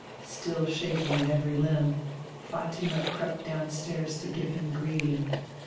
Still shaking in every limb, Fatima crept downstairs to give him greeting.